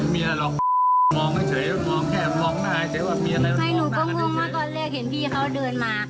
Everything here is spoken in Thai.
ไม่หนูก็งงว่าก่อนเลียดเห็นพี่เค้าเดินมา